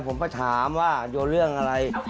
ผมก็ถามว่าโยนเรื่องอะไร